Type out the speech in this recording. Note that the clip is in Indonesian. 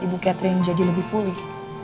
ibu catering jadi lebih pulih